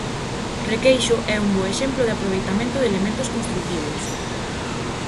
Requeixo é un bo exemplo de aproveitamento de elementos construtivos.